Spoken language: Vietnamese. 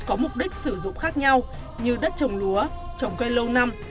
có mục đích sử dụng khác nhau như đất trồng lúa trồng cây lâu năm